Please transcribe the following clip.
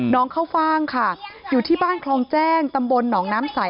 น้องเข้าฟ่างค่ะอยู่ที่บ้านคลองแจ้งตำบลหนองน้ำใส